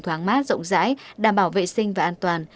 thoáng mát rộng rãi đảm bảo vệ sinh và an toàn